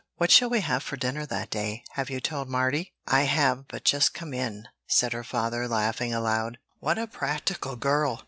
"What shall we have for dinner that day? Have you told Mardy?" "I have but just come in," said her father, laughing aloud. "What a practical girl!